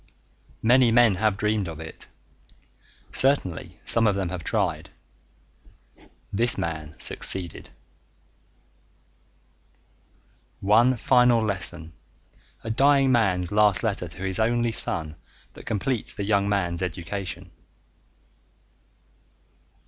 Many men have dreamed of it. Certainly some of them have tried. This man succeeded._ rex ex machina by ... Frederic Max One final lesson a dying man's last letter to his only son that completes the young man's education.